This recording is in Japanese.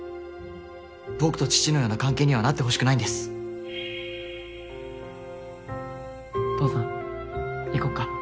僕と父のような関係にはなってほしくないんです父さん行こうか。